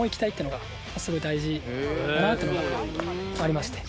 かなっていうのがありまして。